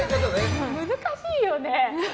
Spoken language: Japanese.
難しいよね。